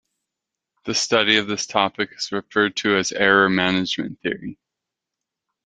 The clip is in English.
The study of this topic is referred to as "Error Management Theory".